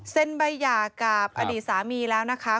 ใบหย่ากับอดีตสามีแล้วนะคะ